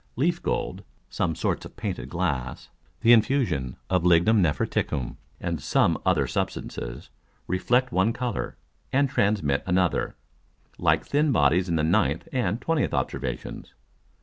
Leaf Gold, some sorts of painted Glass, the Infusion of Lignum Nephriticum, and some other Substances, reflect one Colour, and transmit another; like thin Bodies in the 9th and 20th Observations.